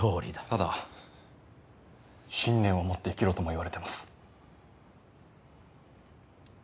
ただ信念を持って生きろとも言われています。